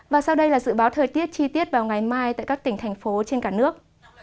và sau đây là dự báo thời tiết chi tiết vào ngày mai tại các tỉnh thành phố trên cả nước